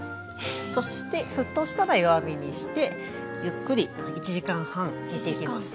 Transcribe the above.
そして沸騰したら弱火にしてゆっくり１時間半煮ていきます。